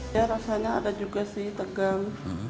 ya rasanya ada juga sih tegang